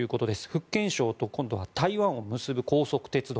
福建省と台湾を結ぶ高速鉄道。